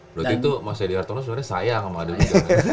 berarti itu mas edi artono sebenarnya sayang sama adek lu kan